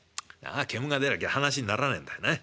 煙が出なきゃ話にならねえんだよな。